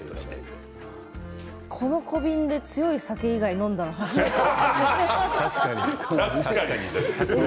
この小瓶で強い酒以外のものを飲んだのは初めてです。